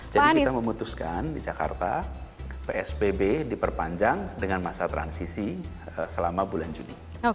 jadi kita memutuskan di jakarta psbb diperpanjang dengan masa transisi selama bulan juni